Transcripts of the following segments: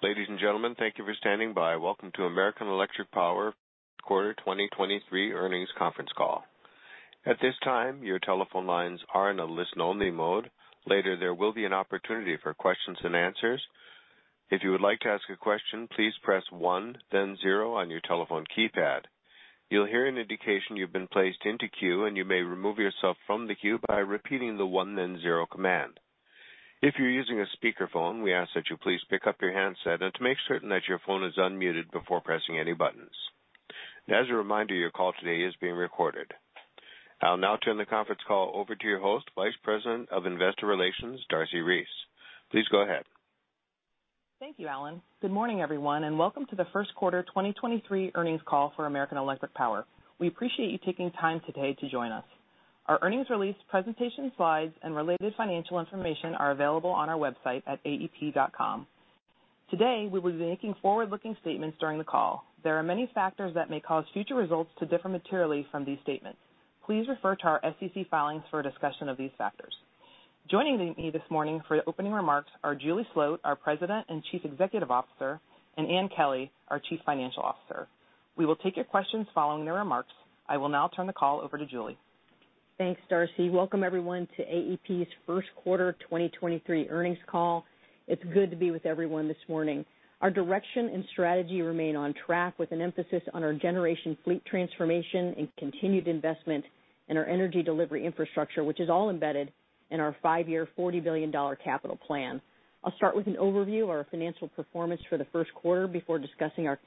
Ladies and gentlemen, thank you for standing by. Welcome to American Electric Power First Quarter 2023 Earnings Conference Call. At this time, your telephone lines are in a listen-only mode. Later, there will be an opportunity for questions and answers. If you would like to ask a question, please press one, then zero on your telephone keypad. You'll hear an indication you've been placed into queue, and you may remove yourself from the queue by repeating the one then zero command. If you're using a speakerphone, we ask that you please pick up your handset and to make certain that your phone is unmuted before pressing any buttons. As a reminder, your call today is being recorded. I'll now turn the conference call over to your host, Vice President of Investor Relations, Darcy Reese. Please go ahead. Thank you, Alan. Good morning, everyone, and welcome to the first quarter 2023 earnings call for American Electric Power. We appreciate you taking time today to join us. Our earnings release presentation slides and related financial information are available on our website at aep.com. Today, we will be making forward-looking statements during the call. There are many factors that may cause future results to differ materially from these statements. Please refer to our SEC filings for a discussion of these factors. Joining me this morning for the opening remarks are Julie Sloat, our President and Chief Executive Officer, and Ann Kelly, our Chief Financial Officer. We will take your questions following the remarks. I will now turn the call over to Julie. Thanks, Darcy. Welcome, everyone, to AEP's first quarter 2023 earnings call. It's good to be with everyone this morning. Our direction and strategy remain on track with an emphasis on our generation fleet transformation and continued investment in our energy delivery infrastructure, which is all embedded in our five-year $40 billion capital plan. I'll start with an overview of our financial performance for the first quarter before discussing our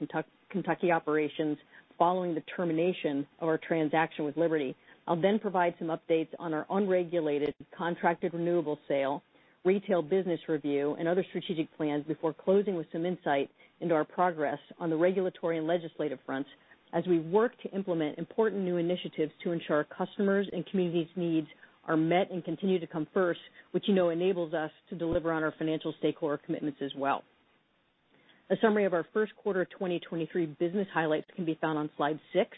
Kentucky operations following the termination of our transaction with Liberty. I'll then provide some updates on our unregulated contracted renewable sale, retail business review, and other strategic plans before closing with some insight into our progress on the regulatory and legislative fronts as we work to implement important new initiatives to ensure our customers' and communities' needs are met and continue to come first, which you know enables us to deliver on our financial stakeholder commitments as well. A summary of our first quarter 2023 business highlights can be found on slide six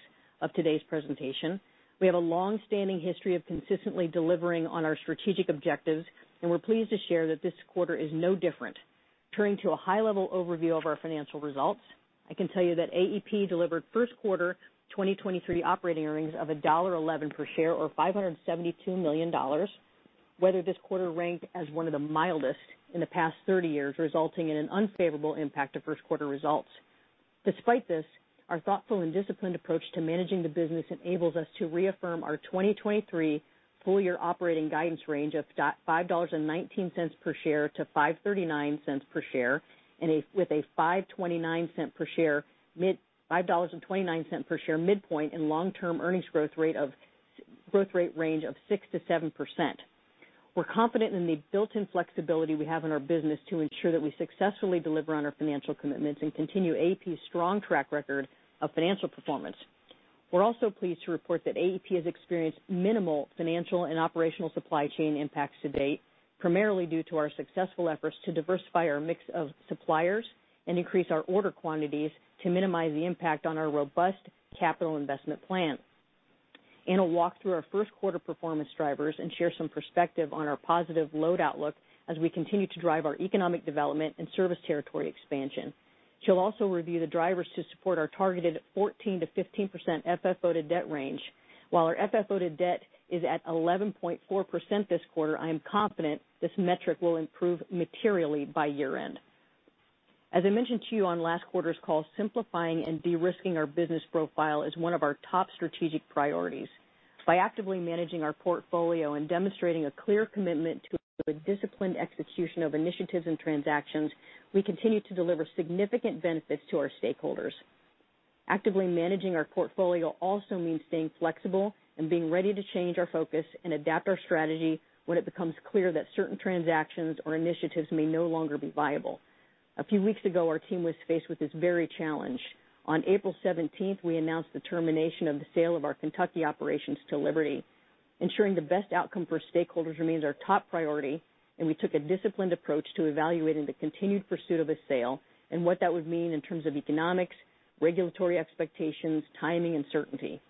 of today's presentation. We have a long-standing history of consistently delivering on our strategic objectives, and we're pleased to share that this quarter is no different. Turning to a high-level overview of our financial results, I can tell you that AEP delivered first quarter 2023 operating earnings of $1.11 per share or 572 million. Weather this quarter ranked as one of the mildest in the past 30 years, resulting in an unfavorable impact to first quarter results. Despite this, our thoughtful and disciplined approach to managing the business enables us to reaffirm our 2023 full-year operating guidance range of $5.19 per share to 5.39 per share with a $5.29 per share mid, 5.29 per share midpoint and long-term earnings growth rate range of 6%-7%. We're confident in the built-in flexibility we have in our business to ensure that we successfully deliver on our financial commitments and continue AEP's strong track record of financial performance. We're also pleased to report that AEP has experienced minimal financial and operational supply chain impacts to date, primarily due to our successful efforts to diversify our mix of suppliers and increase our order quantities to minimize the impact on our robust capital investment plan. Ann will walk through our first quarter performance drivers and share some perspective on our positive load outlook as we continue to drive our economic development and service territory expansion. She'll also review the drivers to support our targeted 14%-15% FFO to debt range. While our FFO to debt is at 11.4% this quarter, I am confident this metric will improve materially by year-end. As I mentioned to you on last quarter's call, simplifying and de-risking our business profile is one of our top strategic priorities. By actively managing our portfolio and demonstrating a clear commitment to a disciplined execution of initiatives and transactions, we continue to deliver significant benefits to our stakeholders. Actively managing our portfolio also means staying flexible and being ready to change our focus and adapt our strategy when it becomes clear that certain transactions or initiatives may no longer be viable. A few weeks ago, our team was faced with this very challenge. On April 17th, we announced the termination of the sale of our Kentucky operations to Liberty. Ensuring the best outcome for stakeholders remains our top priority, and we took a disciplined approach to evaluating the continued pursuit of a sale and what that would mean in terms of economics, regulatory expectations, timing, and certainty.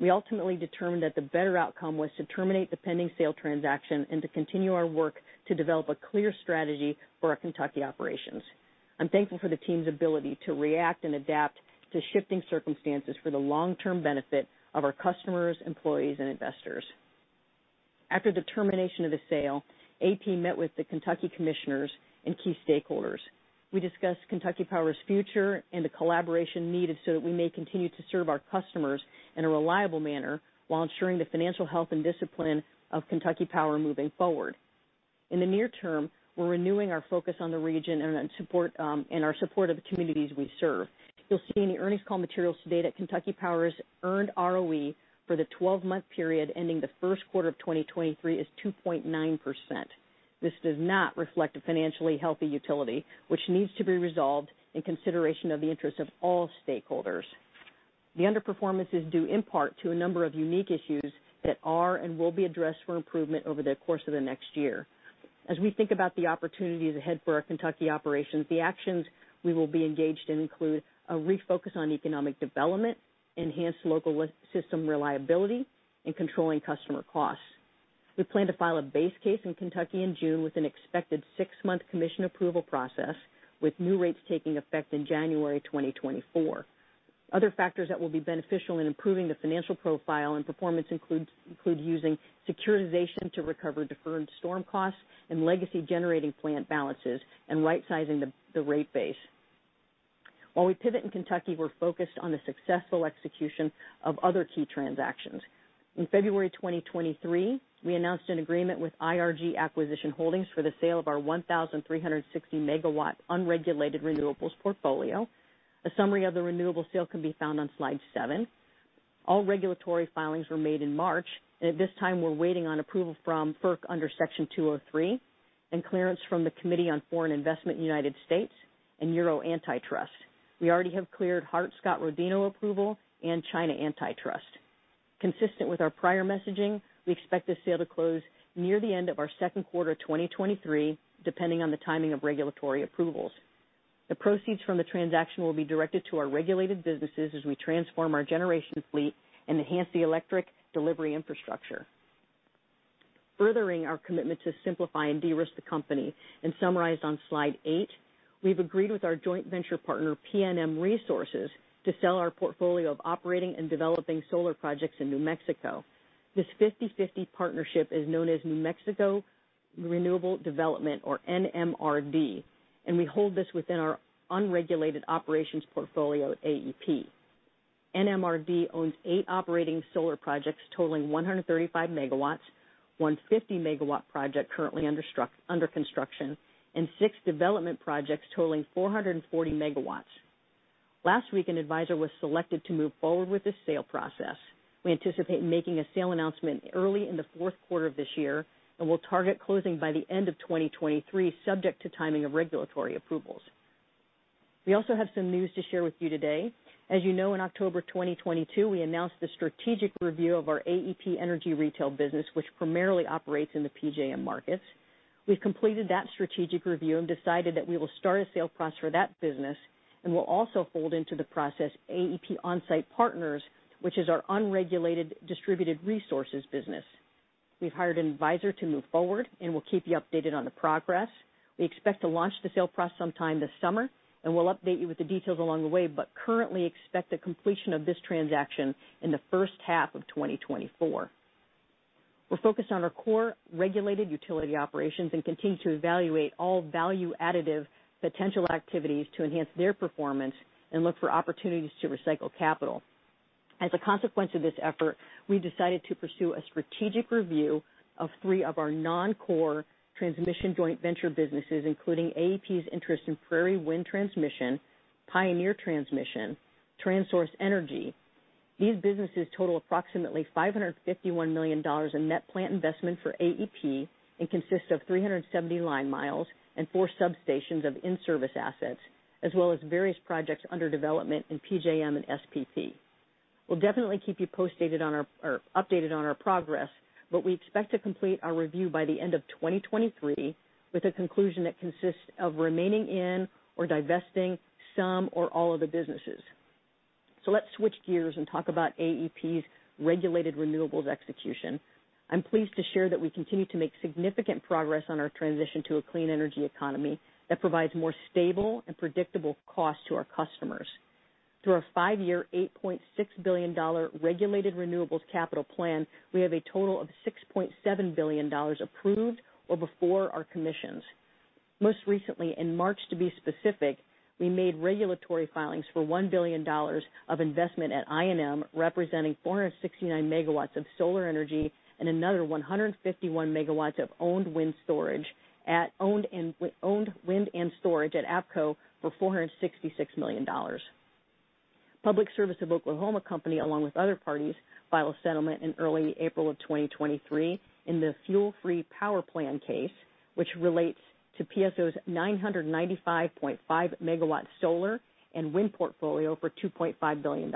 We ultimately determined that the better outcome was to terminate the pending sale transaction and to continue our work to develop a clear strategy for our Kentucky operations. I'm thankful for the team's ability to react and adapt to shifting circumstances for the long-term benefit of our customers, employees, and investors. After the termination of the sale, AEP met with the Kentucky commissioners and key stakeholders. We discussed Kentucky Power's future and the collaboration needed so that we may continue to serve our customers in a reliable manner while ensuring the financial health and discipline of Kentucky Power moving forward. In the near term, we're renewing our focus on the region and our support of the communities we serve. You'll see in the earnings call materials to date that Kentucky Power's earned ROE for the 12-month period ending the first quarter of 2023 is 2.9%. This does not reflect a financially healthy utility, which needs to be resolved in consideration of the interests of all stakeholders. The underperformance is due in part to a number of unique issues that are and will be addressed for improvement over the course of the next year. As we think about the opportunities ahead for our Kentucky operations, the actions we will be engaged in include a refocus on economic development, enhanced local system reliability, and controlling customer costs. We plan to file a base case in Kentucky in June with an expected six-month commission approval process, with new rates taking effect in January 2024. Other factors that will be beneficial in improving the financial profile and performance include using securitization to recover deferred storm costs and legacy generating plant balances and rightsizing the rate base. While we pivot in Kentucky, we're focused on the successful execution of other key transactions. In February 2023, we announced an agreement with IRG Acquisition Holdings for the sale of our 1,360 MW unregulated renewables portfolio. A summary of the renewable sale can be found on slide seven. All regulatory filings were made in March. At this time, we're waiting on approval from FERC under Section 203 and clearance from the Committee on Foreign Investment in the United States and Euro Antitrust. We already have cleared Hart-Scott-Rodino approval and China Antitrust. Consistent with our prior messaging, we expect this sale to close near the end of our 2Q 2023, depending on the timing of regulatory approvals. The proceeds from the transaction will be directed to our regulated businesses as we transform our generation fleet and enhance the electric delivery infrastructure. Furthering our commitment to simplify and de-risk the company and summarized on slide eight, we've agreed with our joint venture partner, PNM Resources, to sell our portfolio of operating and developing solar projects in New Mexico. This 50/50 partnership is known as New Mexico Renewable Development or NMRD, and we hold this within our unregulated operations portfolio at AEP. NMRD owns eight operating solar projects totaling 135 MW, 1 50-MW project currently under construction, and six development projects totaling 440 MW. Last week, an advisor was selected to move forward with the sale process. We anticipate making a sale announcement early in the 4th quarter of this year and will target closing by the end of 2023 subject to timing of regulatory approvals. We also have some news to share with you today. As you know, in October 2022, we announced the strategic review of our AEP Energy Retail business, which primarily operates in the PJM markets. We've completed that strategic review and decided that we will start a sale process for that business and will also fold into the process AEP OnSite Partners, which is our unregulated distributed resources business. We've hired an advisor to move forward, and we'll keep you updated on the progress. We expect to launch the sale process sometime this summer, and we'll update you with the details along the way, but currently expect the completion of this transaction in the first half of 2024. We're focused on our core regulated utility operations and continue to evaluate all value additive potential activities to enhance their performance and look for opportunities to recycle capital. As a consequence of this effort, we decided to pursue a strategic review of three of our non-core transmission joint venture businesses, including AEP's interest in Prairie Wind Transmission, Pioneer Transmission, Transource Energy. These businesses total approximately $551 million in net plant investment for AEP and consist of 370 line miles and four substations of in-service assets, as well as various projects under development in PJM and SPP. We'll definitely keep you post dated on our or updated on our progress, We expect to complete our review by the end of 2023 with a conclusion that consists of remaining in or divesting some or all of the businesses. Let's switch gears and talk about AEP's regulated renewables execution. I'm pleased to share that we continue to make significant progress on our transition to a clean energy economy that provides more stable and predictable costs to our customers. Through our five-year, $8.6 billion regulated renewables capital plan, we have a total of $6.7 billion approved or before our commissions. Most recently, in March to be specific, we made regulatory filings for $1 billion of investment at I&M, representing 469 MW of solar energy and another 151 MW of owned wind and storage at APCO for $466 million. Public Service Company of Oklahoma, along with other parties, filed a settlement in early April of 2023 in the Fuel-Free Power Plan case, which relates to PSO's 995.5 MW solar and wind portfolio for $2.5 billion.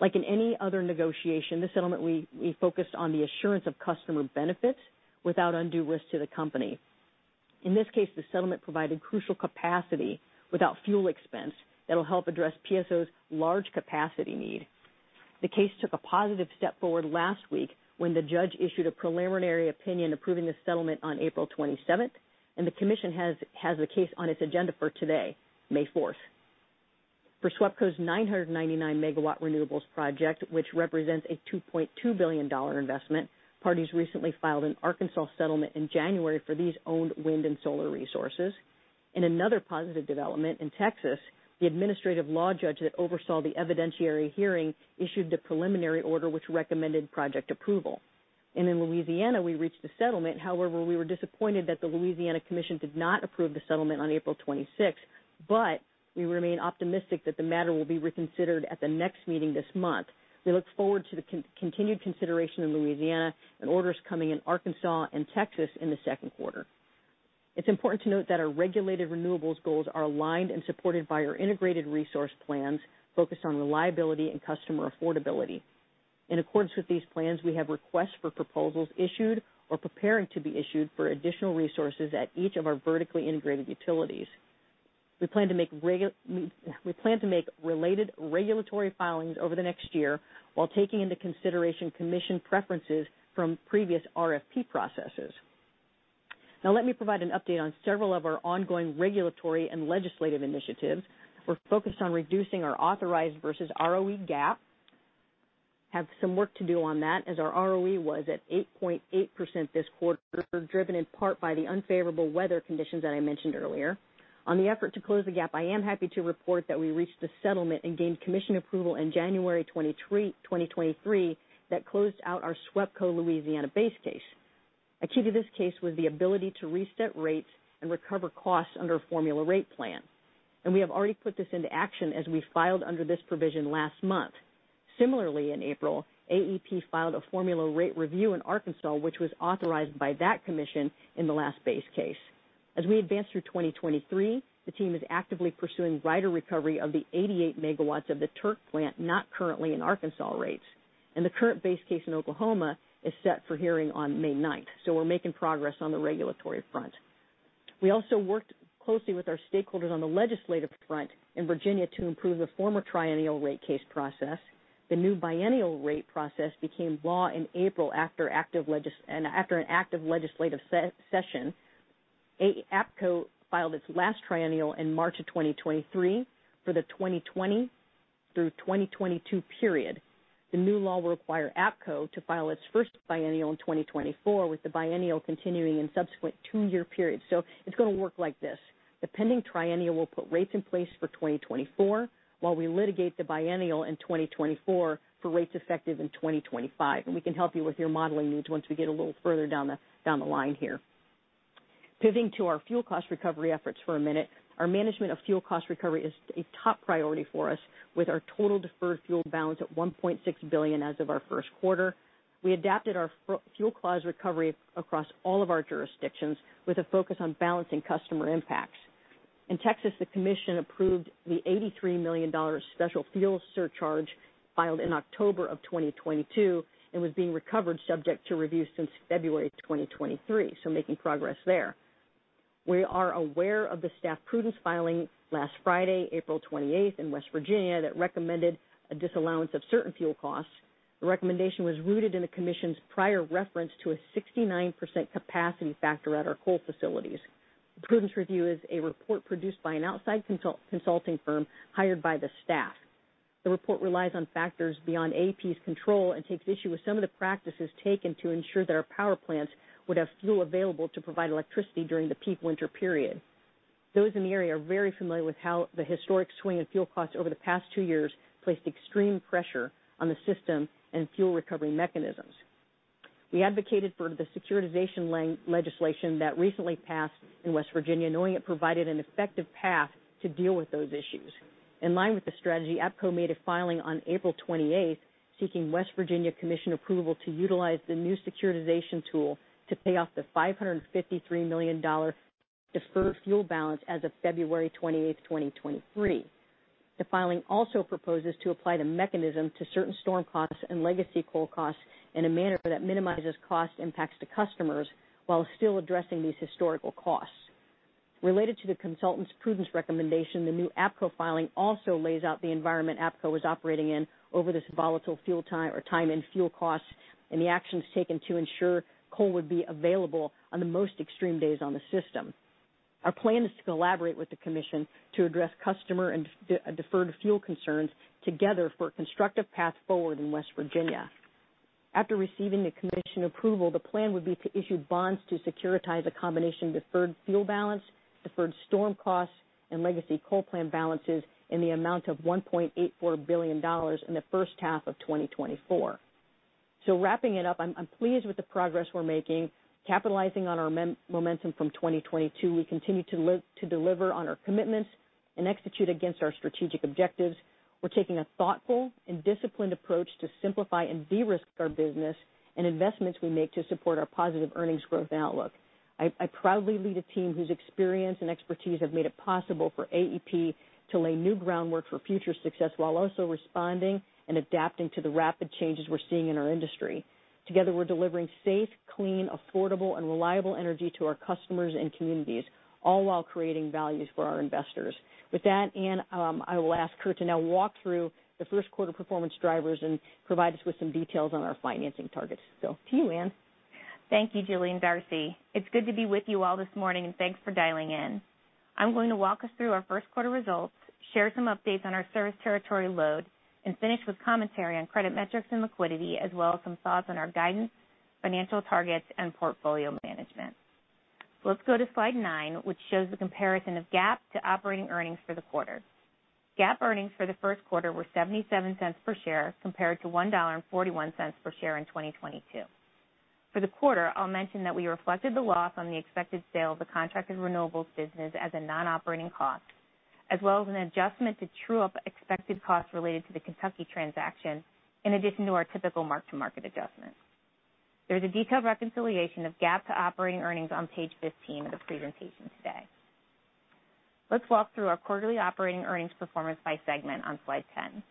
Like in any other negotiation, this settlement we focused on the assurance of customer benefits without undue risk to the company. In this case, the settlement provided crucial capacity without fuel expense that'll help address PSO's large capacity need. The case took a positive step forward last week when the judge issued a preliminary opinion approving the settlement on April 27th, and the commission has the case on its agenda for today, May 4th. For SWEPCO's 999 MW renewables project, which represents a $2.2 billion investment, parties recently filed an Arkansas settlement in January for these owned wind and solar resources. In another positive development in Texas, the administrative law judge that oversaw the evidentiary hearing issued the preliminary order, which recommended project approval. In Louisiana, we reached a settlement, however, we were disappointed that the Louisiana Commission did not approve the settlement on April 26th. We remain optimistic that the matter will be reconsidered at the next meeting this month. We look forward to the continued consideration in Louisiana and orders coming in Arkansas and Texas in the second quarter. It's important to note that our regulated renewables goals are aligned and supported by our integrated resource plans focused on reliability and customer affordability. In accordance with these plans, we have requests for proposals issued or preparing to be issued for additional resources at each of our vertically integrated utilities. We plan to make related regulatory filings over the next year while taking into consideration commission preferences from previous RFP processes. Let me provide an update on several of our ongoing regulatory and legislative initiatives. We're focused on reducing our authorized versus ROE gap. Have some work to do on that, as our ROE was at 8.8% this quarter, driven in part by the unfavorable weather conditions that I mentioned earlier. On the effort to close the gap, I am happy to report that we reached a settlement and gained commission approval in January 23, 2023 that closed out our SWEPCO Louisiana base case. A key to this case was the ability to reset rates and recover costs under a formula rate plan. We have already put this into action as we filed under this provision last month. Similarly, in April, AEP filed a formula rate review in Arkansas, which was authorized by that commission in the last base case. As we advance through 2023, the team is actively pursuing rider recovery of the 88 MW of the Turk plant not currently in Arkansas rates. The current base case in Oklahoma is set for hearing on May 9th. We're making progress on the regulatory front. We also worked closely with our stakeholders on the legislative front in Virginia to improve the former triennial rate case process. The new biennial rate process became law in April after an active legislative session. APCO filed its last triennial in March of 2023 for the 2020 through 2022 period. The new law will require APCO to file its first biennial in 2024, with the biennial continuing in subsequent two-year periods. It's gonna work like this. The pending triennial will put rates in place for 2024 while we litigate the biennial in 2024 for rates effective in 2025. We can help you with your modeling needs once we get a little further down the line here. Pivoting to our fuel cost recovery efforts for a minute. Our management of fuel cost recovery is a top priority for us with our total deferred fuel balance at $1.6 billion as of our first quarter. We adapted our fuel clause recovery across all of our jurisdictions with a focus on balancing customer impacts. In Texas, the commission approved the $83 million special fuel surcharge filed in October 2022 and was being recovered subject to review since February 2023. Making progress there. We are aware of the staff prudence filing last Friday, April 28th in West Virginia that recommended a disallowance of certain fuel costs. The recommendation was rooted in the commission's prior reference to a 69% capacity factor at our coal facilities. The prudence review is a report produced by an outside consulting firm hired by the staff. The report relies on factors beyond APCO's control and takes issue with some of the practices taken to ensure that our power plants would have fuel available to provide electricity during the peak winter period. Those in the area are very familiar with how the historic swing in fuel costs over the past two years placed extreme pressure on the system and fuel recovery mechanisms. We advocated for the securitization legislation that recently passed in West Virginia, knowing it provided an effective path to deal with those issues. In line with the strategy, APCO made a filing on April 28th seeking West Virginia Commission approval to utilize the new securitization tool to pay off the $553 million deferred fuel balance as of February 28th, 2023. The filing also proposes to apply the mechanism to certain storm costs and legacy coal costs in a manner that minimizes cost impacts to customers while still addressing these historical costs. Related to the consultant's prudence recommendation, the new APCO filing also lays out the environment APCO was operating in over this volatile fuel time or time and fuel costs, and the actions taken to ensure coal would be available on the most extreme days on the system. Our plan is to collaborate with the commission to address customer and deferred fuel concerns together for a constructive path forward in West Virginia. After receiving the commission approval, the plan would be to issue bonds to securitize a combination of deferred fuel balance, deferred storm costs, and legacy coal plant balances in the amount of $1.84 billion in the first half of 2024. Wrapping it up, I'm pleased with the progress we're making. Capitalizing on our momentum from 2022, we continue to deliver on our commitments and execute against our strategic objectives. We're taking a thoughtful and disciplined approach to simplify and de-risk our business and investments we make to support our positive earnings growth outlook. I proudly lead a team whose experience and expertise have made it possible for AEP to lay new groundwork for future success while also responding and adapting to the rapid changes we're seeing in our industry. Together, we're delivering safe, clean, affordable, and reliable energy to our customers and communities, all while creating values for our investors. With that, Anne, I will ask her to now walk through the first quarter performance drivers and provide us with some details on our financing targets. To you, Anne. Thank you, Julie and Darcy. It's good to be with you all this morning, thanks for dialing in. I'm going to walk us through our first quarter results, share some updates on our service territory load, and finish with commentary on credit metrics and liquidity, as well as some thoughts on our guidance, financial targets, and portfolio management. Let's go to slide nine, which shows the comparison of GAAP to operating earnings for the quarter. GAAP earnings for the first quarter were $0.77 per share compared to1.41 per share in 2022. For the quarter, I'll mention that we reflected the loss on the expected sale of the contracted renewables business as a non-operating cost, as well as an adjustment to true up expected costs related to the Kentucky transaction, in addition to our typical mark-to-market adjustments. There's a detailed reconciliation of GAAP to operating earnings on page 15 of the presentation today. Let's walk through our quarterly operating earnings performance by segment on slide 10.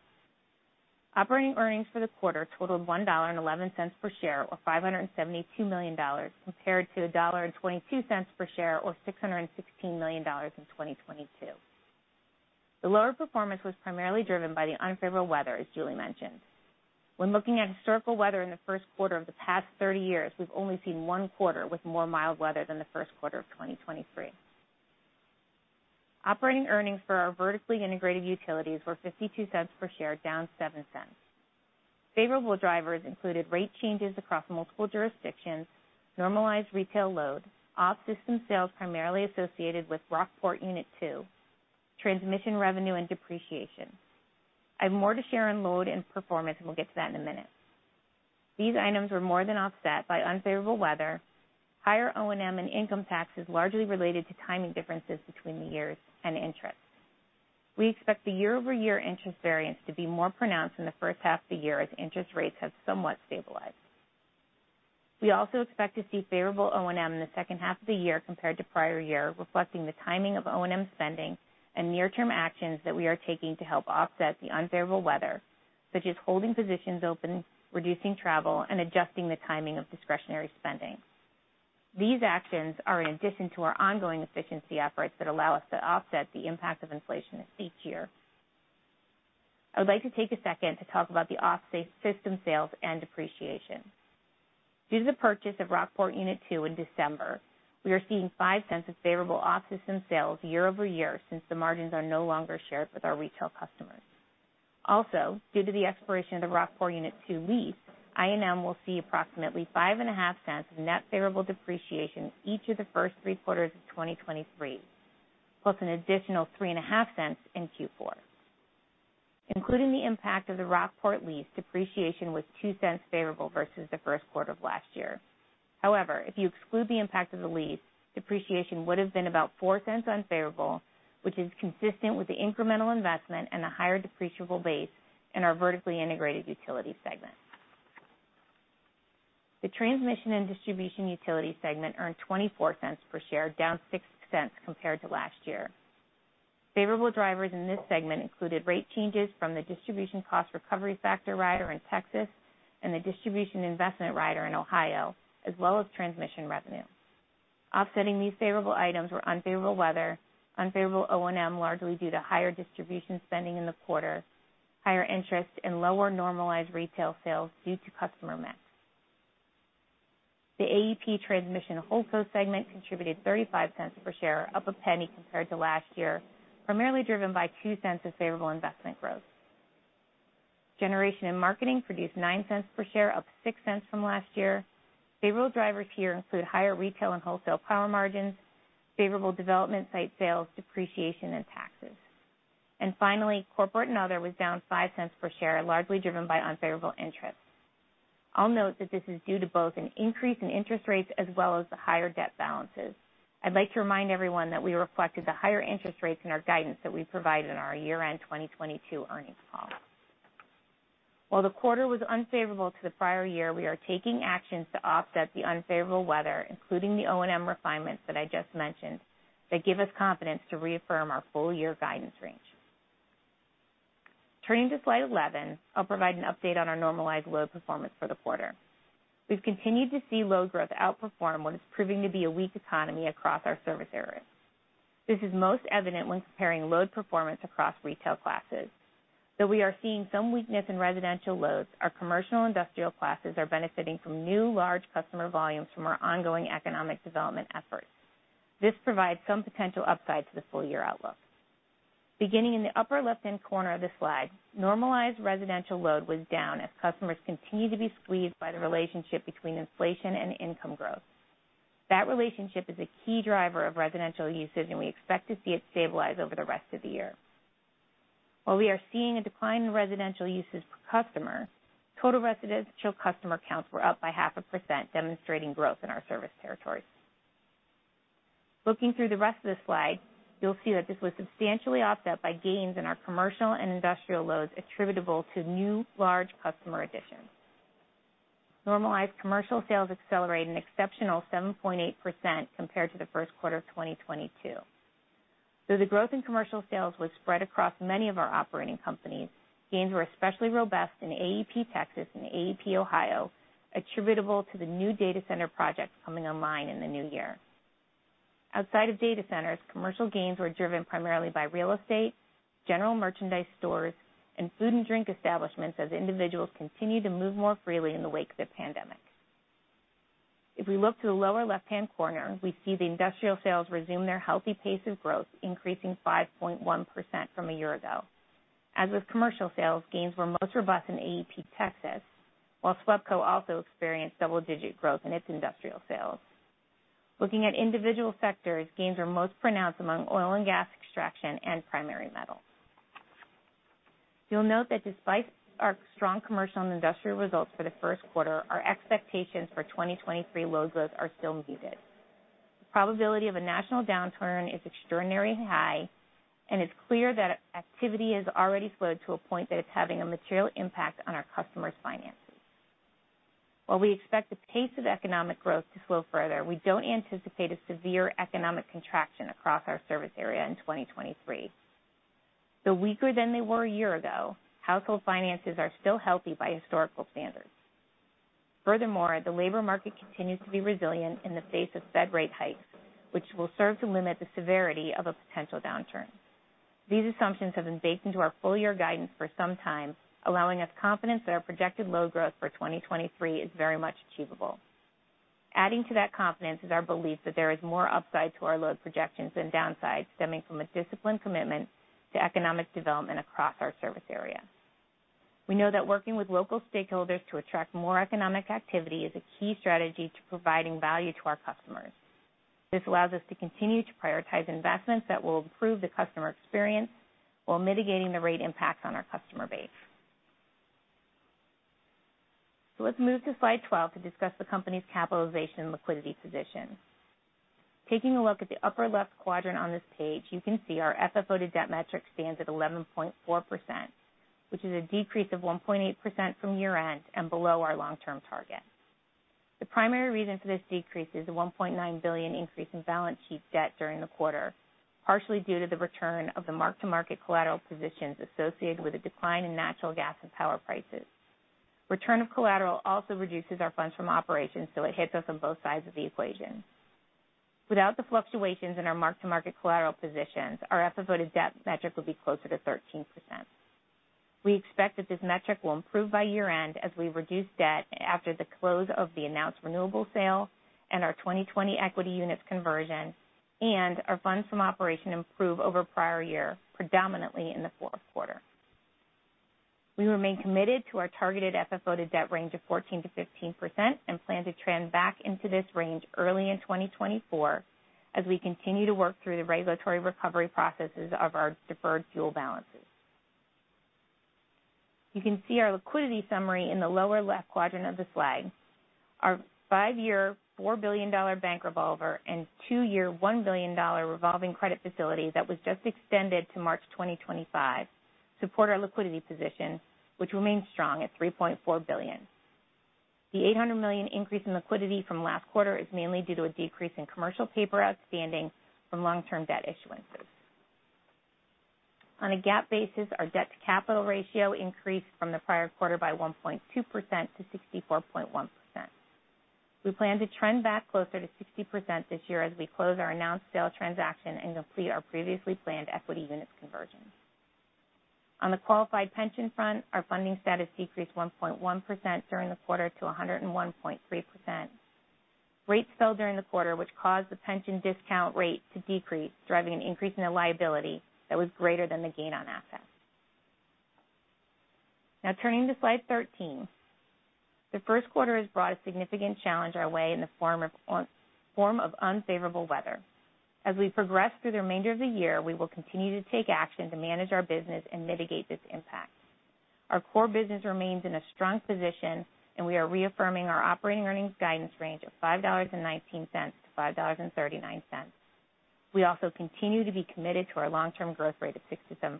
Operating earnings for the quarter totaled $1.11 per share, or 572 million compared to 1.22 per share or 616 million in 2022. The lower performance was primarily driven by the unfavorable weather, as Julie mentioned. When looking at historical weather in the first quarter of the past 30 years, we've only seen one quarter with more mild weather than the first quarter of 2023. Operating earnings for our vertically integrated utilities were $0.52 per share, down 0.07. Favorable drivers included rate changes across multiple jurisdictions, normalized retail load, off-system sales primarily associated with Rockport Unit Two, transmission revenue and depreciation. I have more to share on load and performance, and we'll get to that in a minute. These items were more than offset by unfavorable weather, higher O&M and income taxes, largely related to timing differences between the years and interest. We expect the year-over-year interest variance to be more pronounced in the first half of the year as interest rates have somewhat stabilized. We also expect to see favorable O&M in the second half of the year compared to prior year, reflecting the timing of O&M spending and near-term actions that we are taking to help offset the unfavorable weather, such as holding positions open, reducing travel, and adjusting the timing of discretionary spending. These actions are in addition to our ongoing efficiency efforts that allow us to offset the impact of inflation each year. I would like to take a second to talk about the off-system sales and depreciation. Due to the purchase of Rockport Unit Two in December, we are seeing $0.05 of favorable off-system sales year-over-year since the margins are no longer shared with our retail customers. Due to the expiration of the Rockport Unit Two lease, I&M will see approximately $0.05 of net favorable depreciation each of the first three quarters of 2023, plus an additional $0.035 in Q4. Including the impact of the Rockport lease, depreciation was $0.02 favorable versus the first quarter of last year. If you exclude the impact of the lease, depreciation would have been about $0.04 unfavorable, which is consistent with the incremental investment and the higher depreciable base in our vertically integrated utility segment. The transmission and distribution utility segment earned $0.24 per share, down 0.06 compared to last year. Favorable drivers in this segment included rate changes from the distribution cost recovery factor rider in Texas and the distribution investment rider in Ohio, as well as transmission revenue. Offsetting these favorable items were unfavorable weather, unfavorable O&M, largely due to higher distribution spending in the quarter, higher interest and lower normalized retail sales due to customer mix. The AEP Transmission Wholesale segment contributed $0.35 per share, up 0.01 compared to last year, primarily driven by $0.02 of favorable investment growth. Generation and marketing produced $0.09 per share, up 0.06 from last year. Favorable drivers here include higher retail and wholesale power margins, favorable development site sales, depreciation and taxes. Finally, corporate and other was down $0.05 per share, largely driven by unfavorable interest. I'll note that this is due to both an increase in interest rates as well as the higher debt balances. I'd like to remind everyone that we reflected the higher interest rates in our guidance that we provided in our year-end 2022 earnings call. While the quarter was unfavorable to the prior year, we are taking actions to offset the unfavorable weather, including the O&M refinements that I just mentioned, that give us confidence to reaffirm our full year guidance range. Turning to slide 11, I'll provide an update on our normalized load performance for the quarter. We've continued to see load growth outperform what is proving to be a weak economy across our service areas. This is most evident when comparing load performance across retail classes. Though we are seeing some weakness in residential loads, our commercial industrial classes are benefiting from new large customer volumes from our ongoing economic development efforts. This provides some potential upside to the full-year outlook. Beginning in the upper left-hand corner of the slide, normalized residential load was down as customers continue to be squeezed by the relationship between inflation and income growth. That relationship is a key driver of residential usage, and we expect to see it stabilize over the rest of the year. We are seeing a decline in residential usage per customer, total residential customer counts were up by 0.5%, demonstrating growth in our service territories. Looking through the rest of the slide, you'll see that this was substantially offset by gains in our commercial and industrial loads attributable to new large customer additions. Normalized commercial sales accelerated an exceptional 7.8% compared to the first quarter of 2022. The growth in commercial sales was spread across many of our operating companies, gains were especially robust in AEP Texas and AEP Ohio, attributable to the new data center projects coming online in the new year. Outside of data centers, commercial gains were driven primarily by real estate, general merchandise stores, and food and drink establishments as individuals continue to move more freely in the wake of the pandemic. We look to the lower left-hand corner, we see the industrial sales resume their healthy pace of growth, increasing 5.1% from a year ago. With commercial sales, gains were most robust in AEP Texas, while SWEPCO also experienced double-digit growth in its industrial sales. Looking at individual sectors, gains were most pronounced among oil and gas extraction and primary metal. You'll note that despite our strong commercial and industrial results for the first quarter, our expectations for 2023 load growth are still muted. The probability of a national downturn is extraordinarily high, and it's clear that activity has already slowed to a point that it's having a material impact on our customers' finances. While we expect the pace of economic growth to slow further, we don't anticipate a severe economic contraction across our service area in 2023. Though weaker than they were a year ago, household finances are still healthy by historical standards. Furthermore, the labor market continues to be resilient in the face of Fed rate hikes, which will serve to limit the severity of a potential downturn. These assumptions have been baked into our full-year guidance for some time, allowing us confidence that our projected load growth for 2023 is very much achievable. Adding to that confidence is our belief that there is more upside to our load projections than downside stemming from a disciplined commitment to economic development across our service area. We know that working with local stakeholders to attract more economic activity is a key strategy to providing value to our customers. This allows us to continue to prioritize investments that will improve the customer experience while mitigating the rate impacts on our customer base. Let's move to slide 12 to discuss the company's capitalization and liquidity position. Taking a look at the upper left quadrant on this page, you can see our FFO to debt metric stands at 11.4%, which is a decrease of 1.8% from year-end and below our long-term target. The primary reason for this decrease is the $1.9 billion increase in balance sheet debt during the quarter, partially due to the return of the mark-to-market collateral positions associated with a decline in natural gas and power prices. Return of collateral also reduces our funds from operations, so it hits us on both sides of the equation. Without the fluctuations in our mark-to-market collateral positions, our FFO to debt metric would be closer to 13%. We expect that this metric will improve by year-end as we reduce debt after the close of the announced renewables sale and our 2020 equity units conversion and our funds from operation improve over prior year, predominantly in the fourth quarter. We remain committed to our targeted FFO to debt range of 14%-15% and plan to trend back into this range early in 2024 as we continue to work through the regulatory recovery processes of our deferred fuel balances. You can see our liquidity summary in the lower left quadrant of the slide. Our five-year, $4 billion bank revolver and two-year, $1 billion revolving credit facility that was just extended to March 2025 support our liquidity position, which remains strong at $3.4 billion. The $800 million increase in liquidity from last quarter is mainly due to a decrease in commercial paper outstanding from long-term debt issuances. On a GAAP basis, our debt-to-capital ratio increased from the prior quarter by 1.2% to 64.1%. We plan to trend back closer to 60% this year as we close our announced sale transaction and complete our previously planned equity units conversion. On the qualified pension front, our funding status decreased 1.1% during the quarter to 101.3%. Rates fell during the quarter, which caused the pension discount rate to decrease, driving an increase in the liability that was greater than the gain on assets. Turning to slide 13. The first quarter has brought a significant challenge our way in the form of unfavorable weather. As we progress through the remainder of the year, we will continue to take action to manage our business and mitigate this impact. Our core business remains in a strong position, and we are reaffirming our operating earnings guidance range of $5.19 to 5.39. We also continue to be committed to our long-term growth rate of 6%-7%.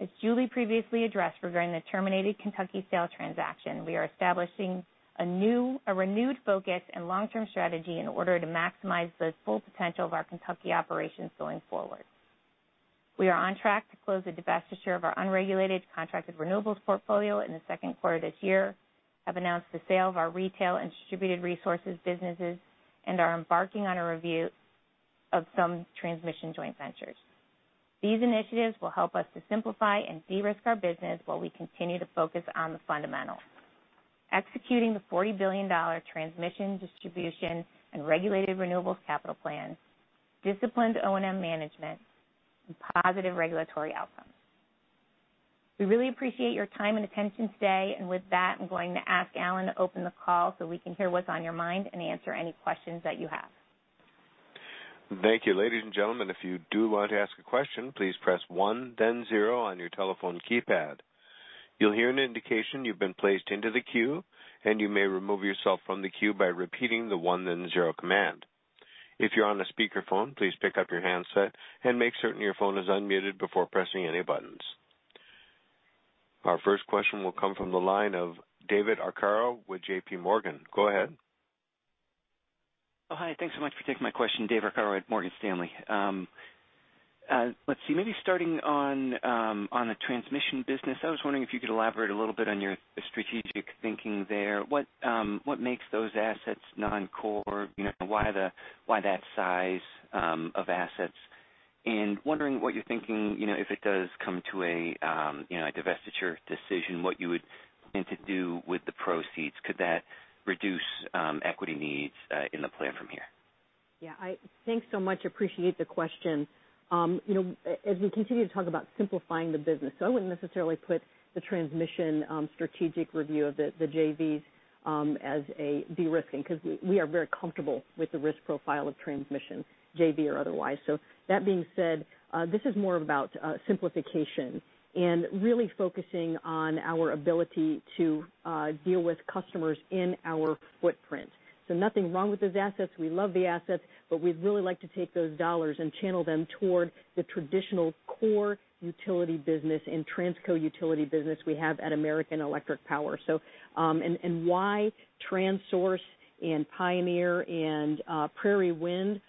As Julie previously addressed regarding the terminated Kentucky sale transaction, we are establishing a renewed focus and long-term strategy in order to maximize the full potential of our Kentucky operations going forward. We are on track to close the divestiture of our unregulated contracted renewables portfolio in the second quarter this year, have announced the sale of our retail and distributed resources businesses, and are embarking on a review of some transmission joint ventures. These initiatives will help us to simplify and de-risk our business while we continue to focus on the fundamentals. Executing the $40 billion transmission, distribution, and regulated renewables capital plans, disciplined O&M management, and positive regulatory outcomes. We really appreciate your time and attention today. With that, I'm going to ask Alan to open the call so we can hear what's on your mind and answer any questions that you have. Thank you. Ladies and gentlemen, if you do want to ask a question, please press one then zero on your telephone keypad. You'll hear an indication you've been placed into the queue, and you may remove yourself from the queue by repeating the one then zero command. If you're on a speakerphone, please pick up your handset and make certain your phone is unmuted before pressing any buttons. Our first question will come from the line of David Arcaro with Morgan Stanley. Go ahead. Hi. Thanks so much for taking my question. David Arcaro at Morgan Stanley. Let's see, maybe starting on the transmission business, I was wondering if you could elaborate a little bit on your strategic thinking there. What makes those assets non-core? You know, why that size of assets? Wondering what you're thinking, you know, if it does come to a, you know, a divestiture decision, what you would intend to do with the proceeds. Could that reduce equity needs in the plan from here? Yeah. Thanks so much, appreciate the question. you know, as we continue to talk about simplifying the business, I wouldn't necessarily put the transmission strategic review of the JVs as a de-risking because we are very comfortable with the risk profile of transmission, JV or otherwise. That being said, this is more about simplification and really focusing on our ability to deal with customers in our footprint. Nothing wrong with those assets. We love the assets, but we'd really like to take those dollars and channel them toward the traditional core utility business and Transco utility business we have at American Electric Power. And why Transource and Pioneer and Prairie Wind?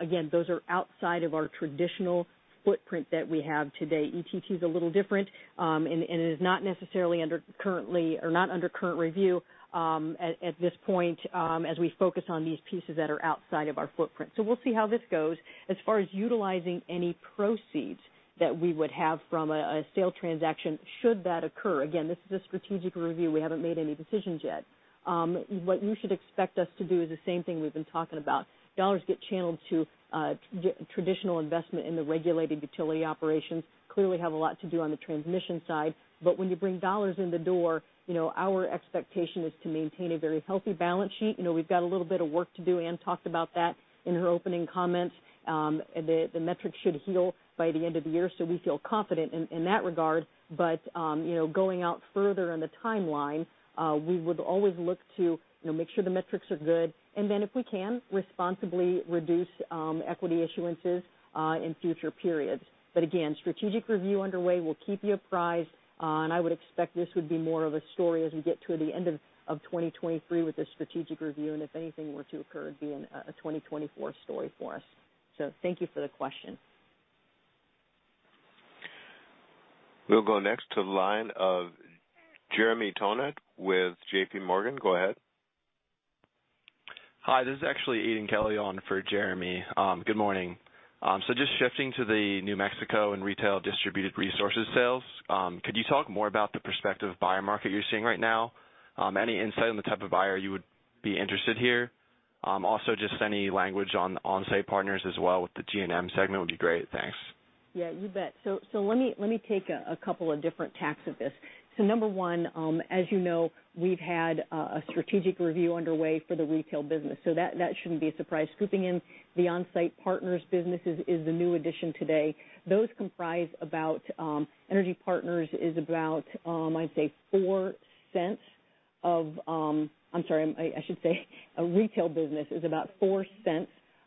Again, those are outside of our traditional footprint that we have today. ETT is a little different, and it is not necessarily under currently or not under current review at this point, as we focus on these pieces that are outside of our footprint. We'll see how this goes. As far as utilizing any proceeds that we would have from a sale transaction should that occur, again, this is a strategic review. We haven't made any decisions yet. What you should expect us to do is the same thing we've been talking about. Dollars get channeled to traditional investment in the regulated utility operations. Clearly have a lot to do on the transmission side. When you bring dollars in the door, you know, our expectation is to maintain a very healthy balance sheet. You know, we've got a little bit of work to do, Ann talked about that in her opening comments. The metric should heal by the end of the year, we feel confident in that regard. You know, going out further in the timeline, we would always look to, you know, make sure the metrics are good, and then if we can, responsibly reduce, equity issuances, in future periods. Again, strategic review underway. We'll keep you apprised. I would expect this would be more of a story as we get to the end of 2023 with this strategic review, and if anything were to occur, it'd be in a 2024 story for us. Thank you for the question. We'll go next to the line of Jeremy Tonet with JPMorgan. Go ahead. Hi, this is actually Aidan KellyKelly on for Jeremy. Good morning. Just shifting to the New Mexico and retail distributed resources sales, could you talk more about the prospective buyer market you're seeing right now? Any insight on the type of buyer you would be interested here? Also just any language on OnSite Partners as well with the G&M segment would be great. Thanks. Yeah, you bet. Let me take a couple of different tacks of this. Number one, as you know, we've had a strategic review underway for the retail business, that shouldn't be a surprise. Scooping in the OnSite Partners business is the new addition today. Those comprise about energy partners is about I'd say $0.04 of... I'm sorry, I should say a retail business is about $0.04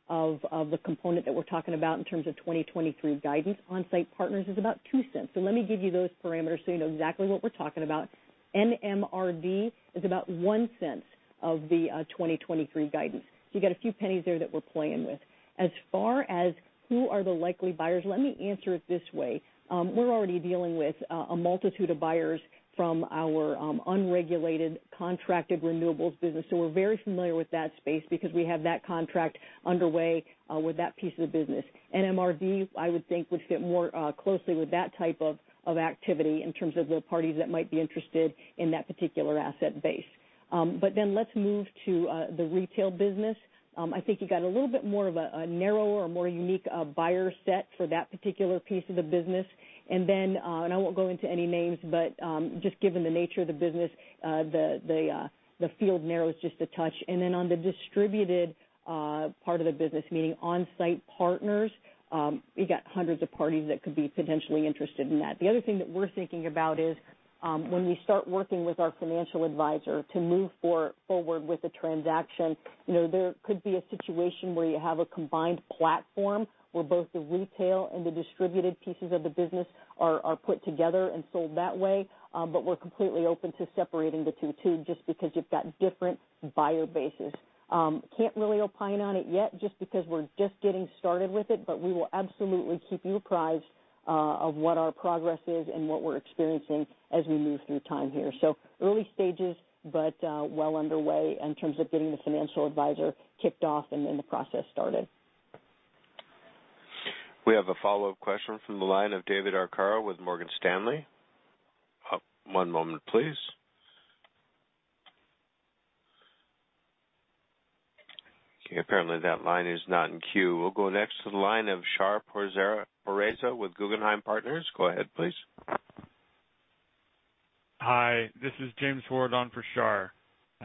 of the component that we're talking about in terms of 2023 guidance. OnSite Partners is about $0.02. Let me give you those parameters so you know exactly what we're talking about. NMRD is about $0.01 of the 2023 guidance. You got a few pennies there that we're playing with. As far as who are the likely buyers, let me answer it this way. We're already dealing with a multitude of buyers from our unregulated contracted renewables business. We're very familiar with that space because we have that contract underway, with that piece of the business. NMRD, I would think, would fit more closely with that type of activity in terms of the parties that might be interested in that particular asset base. Let's move to the retail business. I think you got a little bit more of a narrower or more unique buyer set for that particular piece of the business. Then, and I won't go into any names, but just given the nature of the business, the field narrows just a touch. On the distributed part of the business, meaning AEP OnSite Partners, you got hundreds of parties that could be potentially interested in that. The other thing that we're thinking about is, when we start working with our financial advisor to move forward with a transaction, you know, there could be a situation where you have a combined platform where both the retail and the distributed pieces of the business are put together and sold that way. We're completely open to separating the two too, just because you've got different buyer bases. Can't really opine on it yet just because we're just getting started with it, we will absolutely keep you apprised of what our progress is and what we're experiencing as we move through time here. Early stages, but well underway in terms of getting the financial advisor kicked off and the process started. We have a follow-up question from the line of David Arcaro with Morgan Stanley. One moment please. Okay, apparently that line is not in queue. We'll go next to the line of Shar Pourreza with Guggenheim Partners. Go ahead please. Hi, this is James Ward on for Shar.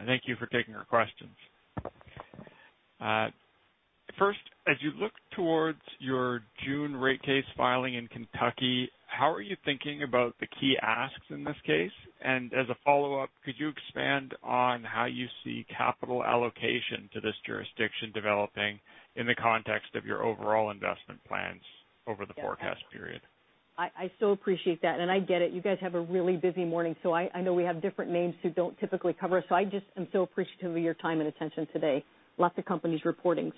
Thank you for taking our questions. First, as you look towards your June rate case filing in Kentucky, how are you thinking about the key asks in this case? As a follow-up, could you expand on how you see capital allocation to this jurisdiction developing in the context of your overall investment plans over the forecast period? I so appreciate that. I get it. You guys have a really busy morning, so I know we have different names who don't typically cover us, so I just am so appreciative of your time and attention today. Lots of companies reporting.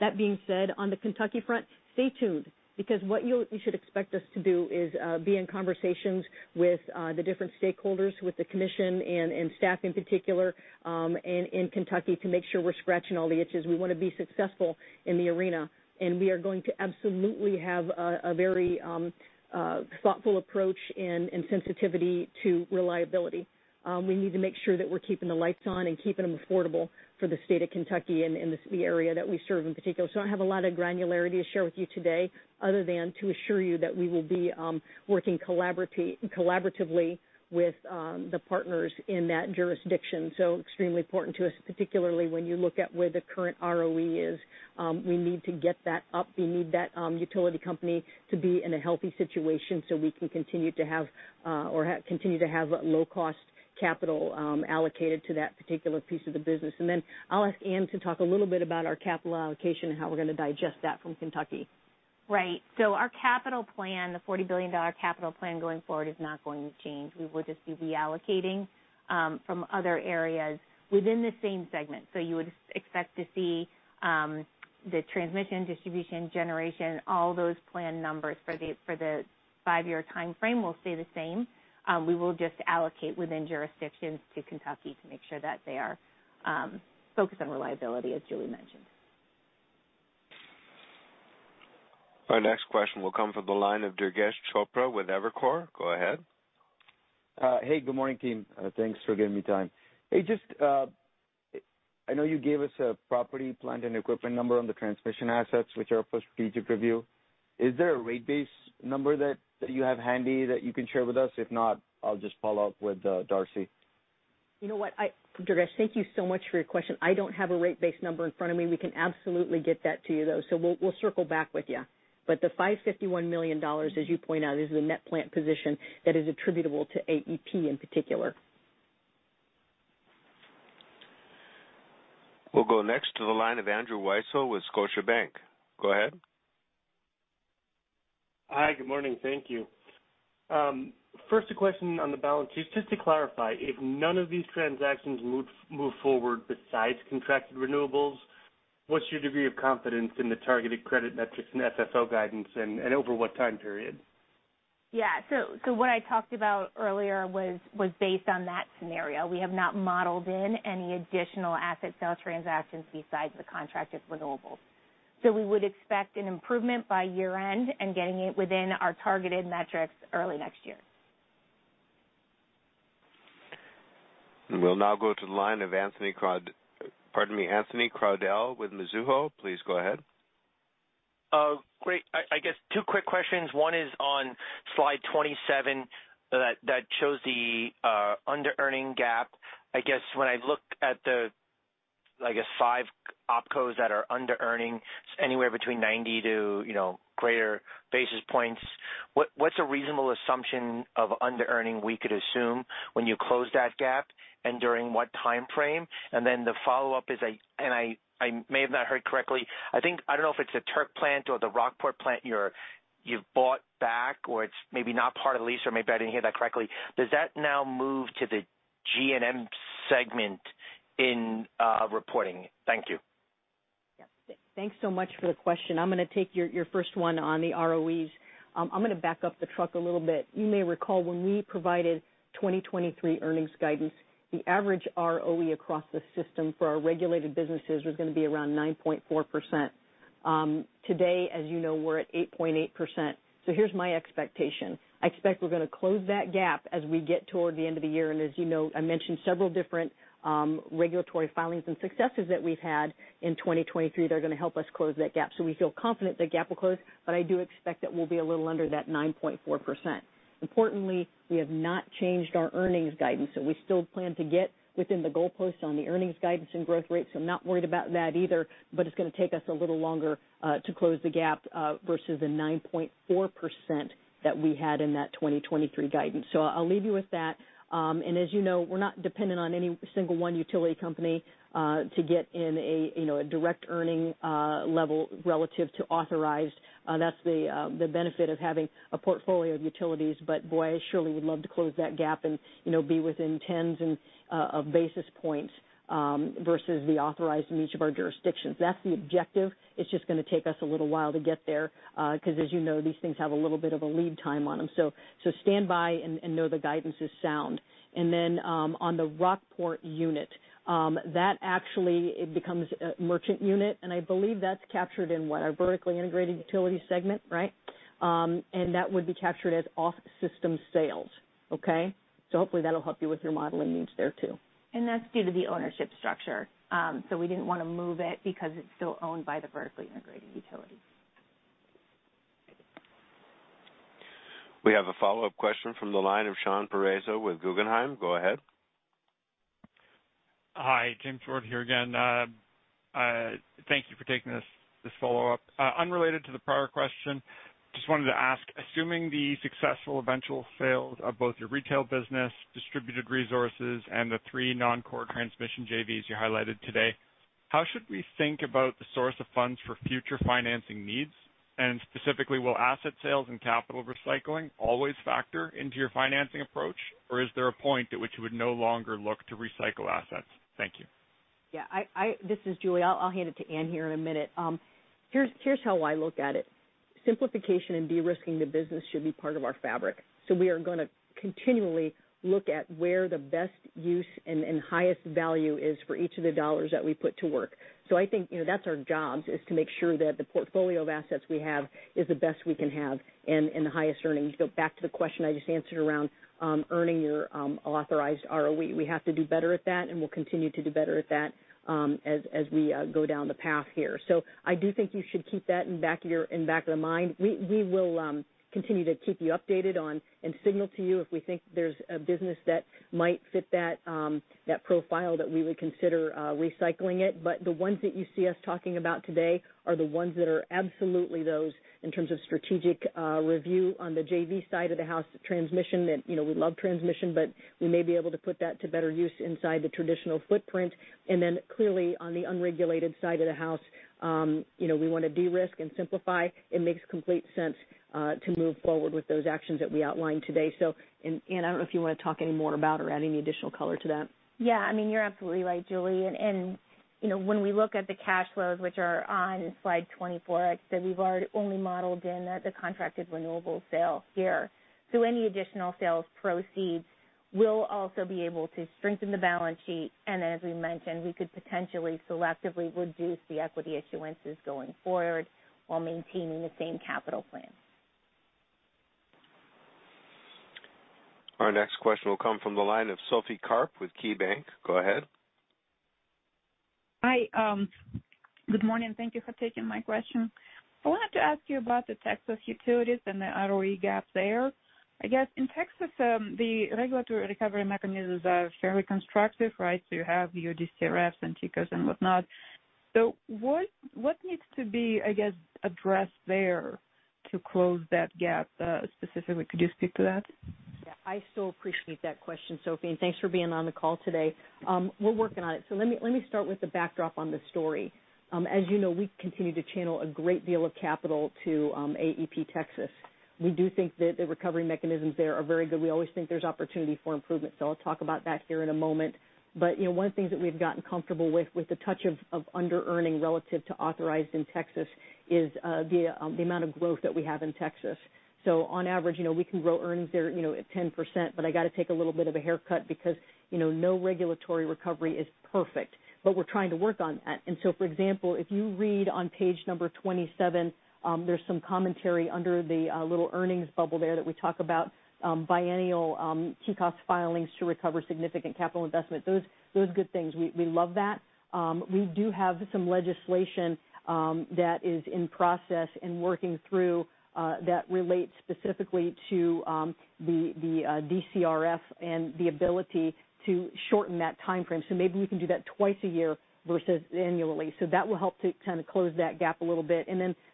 That being said, on the Kentucky front, stay tuned because what you should expect us to do is be in conversations with the different stakeholders, with the commission and staff in particular, in Kentucky to make sure we're scratching all the itches. We wanna be successful in the arena, and we are going to absolutely have a very thoughtful approach and sensitivity to reliability. We need to make sure that we're keeping the lights on and keeping them affordable for the state of Kentucky and the area that we serve in particular. I don't have a lot of granularity to share with you today other than to assure you that we will be working collaboratively with the partners in that jurisdiction. Extremely important to us, particularly when you look at where the current ROE is. We need to get that up. We need that utility company to be in a healthy situation so we can continue to have low-cost capital allocated to that particular piece of the business. Then I'll ask Ann to talk a little bit about our capital allocation and how we're gonna digest that from Kentucky. Right. Our capital plan, the $40 billion capital plan going forward is not going to change. We will just be reallocating from other areas within the same segment. You would expect to see the transmission, distribution, generation, all those plan numbers for the 5-year timeframe will stay the same. We will just allocate within jurisdictions to Kentucky to make sure that they are focused on reliability, as Julie mentioned. Our next question will come from the line of Durgesh Chopra with Evercore. Go ahead. Hey, good morning, team. Thanks for giving me time. Hey, just, I know you gave us a property, plant, and equipment number on the transmission assets, which are up for strategic review. Is there a rate base number that you have handy that you can share with us? If not, I'll just follow up with Darcy. You know what? Durgesh, thank you so much for your question. I don't have a rate base number in front of me. We can absolutely get that to you, though. We'll circle back with you. The $551 million, as you point out, is the net plant position that is attributable to AEP in particular. We'll go next to the line of Andrew Weisel with Scotiabank. Go ahead. Hi. Good morning. Thank you. First a question on the balance sheet. Just to clarify, if none of these transactions move forward besides contracted renewables, what's your degree of confidence in the targeted credit metrics and FFO guidance and over what time period? What I talked about earlier was based on that scenario. We have not modeled in any additional asset sale transactions besides the contracted renewables. We would expect an improvement by year-end and getting it within our targeted metrics early next year. We'll now go to the line of pardon me, Anthony Crowdell with Mizuho. Please go ahead. Great. I guess two quick questions. One is on slide 27 that shows the underearning gap. I guess when I look at the, I guess, 5 opcos that are underearning anywhere between 90 to, you know, greater basis points, what's a reasonable assumption of underearning we could assume when you close that gap and during what timeframe? Then the follow-up is and I may have not heard correctly. I think, I don't know if it's the Turk plant or the Rockport plant you've bought back or it's maybe not part of the lease or maybe I didn't hear that correctly. Does that now move to the G&M segment in reporting? Thank you. Yeah. Thanks so much for the question. I'm gonna take your first one on the ROEs. I'm gonna back up the truck a little bit. You may recall when we provided 2023 earnings guidance, the average ROE across the system for our regulated businesses was gonna be around 9.4%. Today, as you know, we're at 8.8%. Here's my expectation. I expect we're gonna close that gap as we get toward the end of the year. As you know, I mentioned several different regulatory filings and successes that we've had in 2023 that are gonna help us close that gap. We feel confident that gap will close, but I do expect that we'll be a little under that 9.4%. Importantly, we have not changed our earnings guidance. We still plan to get within the goalpost on the earnings guidance and growth rates. I'm not worried about that either, but it's gonna take us a little longer to close the gap versus the 9.4% that we had in that 2023 guidance. I'll leave you with that. As you know, we're not dependent on any single one utility company to get in a, you know, a direct earning level relative to authorized. That's the benefit of having a portfolio of utilities. Boy, I surely would love to close that gap and, you know, be within tens and of basis points versus the authorized in each of our jurisdictions. That's the objective. It's just gonna take us a little while to get there, 'cause as you know, these things have a little bit of a lead time on them. Stand by and know the guidance is sound. On the Rockport Unit, that actually becomes a merchant unit, and I believe that's captured in what? Our vertically integrated utility segment, right? That would be captured as off-system sales, okay? Hopefully, that'll help you with your modeling needs there too. That's due to the ownership structure. We didn't wanna move it because it's still owned by the vertically integrated utility. We have a follow-up question from the line of Shar Pourreza with Guggenheim. Go ahead. Hi, James Ward here again. Thank you for taking this follow-up. Unrelated to the prior question, just wanted to ask, assuming the successful eventual sales of both your retail business, distributed resources, and the three non-core transmission JVs you highlighted today How should we think about the source of funds for future financing needs? Specifically, will asset sales and capital recycling always factor into your financing approach? Is there a point at which you would no longer look to recycle assets? Thank you. Yeah. This is Julie. I'll hand it to Ann here in a minute. Here's how I look at it. Simplification and de-risking the business should be part of our fabric. We are gonna continually look at where the best use and highest value is for each of the dollars that we put to work. I think, you know, that's our jobs, is to make sure that the portfolio of assets we have is the best we can have and in the highest earnings. To go back to the question I just answered around earning your authorized ROE, we have to do better at that, and we'll continue to do better at that as we go down the path here. I do think you should keep that in back of the mind. We will continue to keep you updated on and signal to you if we think there's a business that might fit that profile, that we would consider recycling it. The ones that you see us talking about today are the ones that are absolutely those in terms of strategic review on the JV side of the house transmission that, you know, we love transmission, but we may be able to put that to better use inside the traditional footprint. Clearly on the unregulated side of the house, you know, we wanna de-risk and simplify. It makes complete sense to move forward with those actions that we outlined today. Ann, I don't know if you wanna talk any more about or add any additional color to that. Yeah, I mean, you're absolutely right, Julie. You know, when we look at the cash flows, which are on slide 24, I'd say we've already only modeled in the contracted renewables sale here. Any additional sales proceeds will also be able to strengthen the balance sheet. As we mentioned, we could potentially selectively reduce the equity issuances going forward while maintaining the same capital plan. Our next question will come from the line of Sophie Karp with KeyBanc. Go ahead. Hi, good morning. Thank you for taking my question. I wanted to ask you about the Texas utilities and the ROE gap there. I guess in Texas, the regulatory recovery mechanisms are fairly constructive, right? You have your DCRFs and TCAS and whatnot. What needs to be, I guess, addressed there to close that gap specifically? Could you speak to that? Yeah. I so appreciate that question, Sophie, and thanks for being on the call today. We're working on it. Let me start with the backdrop on the story. As you know, we continue to channel a great deal of capital to AEP Texas. We do think that the recovery mechanisms there are very good. We always think there's opportunity for improvement. I'll talk about that here in a moment. You know, one of the things that we've gotten comfortable with the touch of underearning relative to authorized in Texas is the amount of growth that we have in Texas. On average, you know, we can grow earnings there, you know, at 10%, but I got to take a little bit of a haircut because, you know, no regulatory recovery is perfect, but we're trying to work on that. For example, if you read on page number 27, there's some commentary under the little earnings bubble there that we talk about, biennial TCOS filings to recover significant capital investment. Those are good things. We love that. We do have some legislation that is in process and working through that relates specifically to the DCRF and the ability to shorten that timeframe. Maybe we can do that twice a year versus annually. That will help to kind of close that gap a little bit.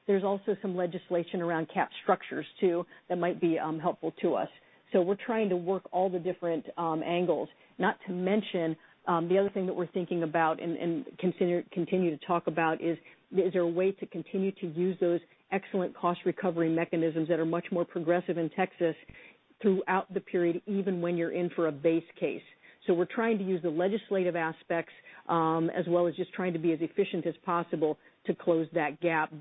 There's also some legislation around cap structures too that might be helpful to us. We're trying to work all the different angles. Not to mention, the other thing that we're thinking about and continue to talk about is there a way to continue to use those excellent cost recovery mechanisms that are much more progressive in Texas throughout the period, even when you're in for a base case. We're trying to use the legislative aspects, as well as just trying to be as efficient as possible to close that gap.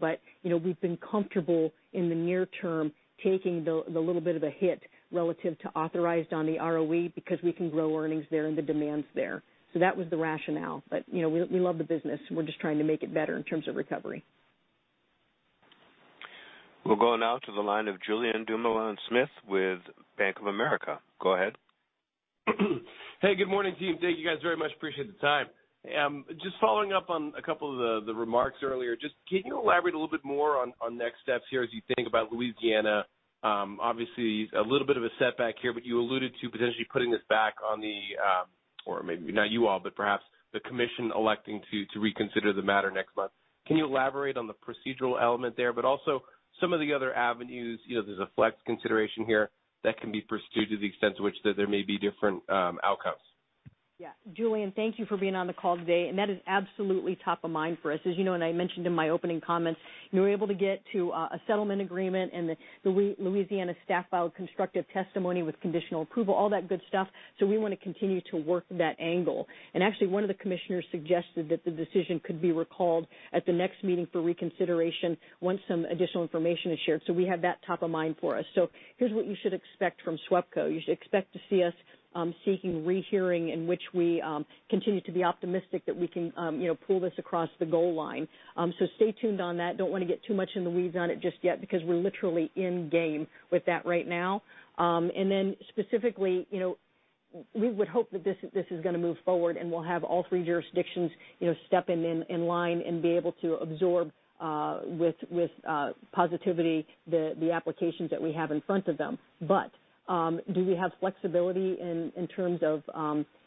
You know, we've been comfortable in the near term taking the little bit of a hit relative to authorized on the ROE because we can grow earnings there and the demands there. That was the rationale. You know, we love the business. We're just trying to make it better in terms of recovery. We'll go now to the line of Julien Dumoulin-Smith with Bank of America. Go ahead. Hey, good morning, team. Thank you guys very much. Appreciate the time. Following up on a couple of the remarks earlier, just can you elaborate a little bit more on next steps here as you think about Louisiana? Obviously a little bit of a setback here, but you alluded to potentially putting this back on the, or maybe not you all, but perhaps the commission electing to reconsider the matter next month. Can you elaborate on the procedural element there, but also some of the other avenues? You know, there's a flex consideration here that can be pursued to the extent to which that there may be different outcomes? Yeah. Julien, thank you for being on the call today. That is absolutely top of mind for us. As you know, and I mentioned in my opening comments, we were able to get to a settlement agreement, and the Louisiana staff filed constructive testimony with conditional approval, all that good stuff. We want to continue to work that angle. Actually, one of the commissioners suggested that the decision could be recalled at the next meeting for reconsideration once some additional information is shared. We have that top of mind for us. Here's what you should expect from SWEPCO. You should expect to see us seeking rehearing in which we continue to be optimistic that we can, you know, pull this across the goal line. Stay tuned on that. Don't wanna get too much in the weeds on it just yet because we're literally in game with that right now. Then specifically, you know, we would hope that this is gonna move forward, and we'll have all three jurisdictions, you know, step in line and be able to absorb with positivity the applications that we have in front of them. Do we have flexibility in terms of,